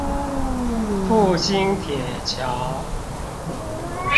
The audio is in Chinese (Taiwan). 復興鐵橋